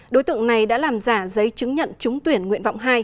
đối tượng này đã làm giả giấy chứng nhận trúng tuyển nguyện vọng hai